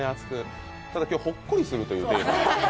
ただ今日、ほっこりするというテーマなんで。